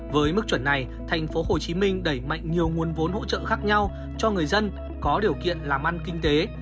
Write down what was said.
với mức chuẩn này thành phố hồ chí minh đẩy mạnh nhiều nguồn vốn hỗ trợ khác nhau cho người dân có điều kiện làm ăn kinh tế